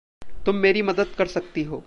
तुम मेरी मदद कर सकती हो।